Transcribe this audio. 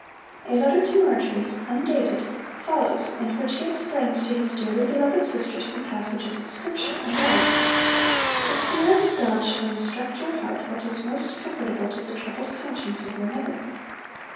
A letter to Marjory, undated, follows, in which he explains to his 'dearly beloved sister' some passages of Scripture, and adds 'The Spirit of God shall instruct your heart what is most comfortable to the troubled conscience of your mother.'